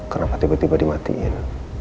kenapa tiba tiba dimatiin